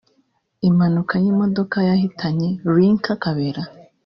Impanuka y’imodoka yahitanye Lynker Kabera